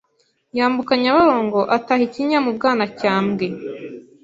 yambuka Nyabarongo ataha i Kinyinya mu Bwanacyambwe